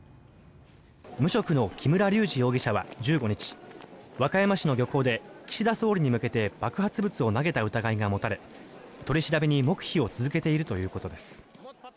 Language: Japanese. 無職の木村隆二容疑者は１５日和歌山市の漁港で岸田総理に向けて爆発物を投げた疑いが持たれ取り調べに黙秘を続けているということです。